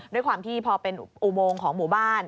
ด้วยความที่พอเป็นอุโมงของหมู่บ้าน